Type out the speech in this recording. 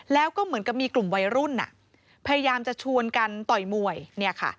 แล้วก็เหมือนกับมีกลุ่มวัยรุ่นอ่ะพยายามจะชวนกันต่อยมวยเนี่ยค่ะ